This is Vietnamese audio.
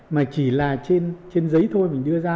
mà chỉ là trên giấy thôi mình đưa ra